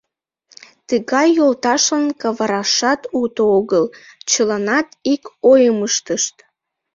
— Тыгай йолташлан каварашат уто огыл, — чыланат ик ойым ыштышт.